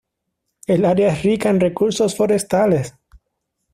El área es rica en recursos forestales.